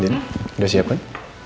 din udah siap kan